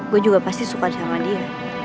gue juga pasti suka sama dia